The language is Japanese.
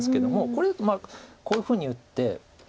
これだとこういうふうに打って。